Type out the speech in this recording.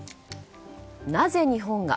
なぜ日本が？